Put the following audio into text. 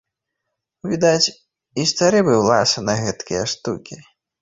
Відаць, і стары быў ласы на гэткія штукі.